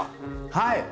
はい！